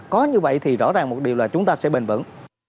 có như vậy thì rõ ràng một điều là chúng ta sẽ bình vẫn